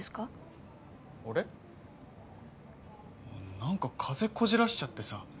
なんか風邪こじらせちゃってさ。